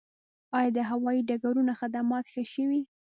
آیا د هوایي ډګرونو خدمات ښه شوي؟